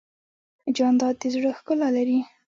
جانداد د زړه ښکلا لري.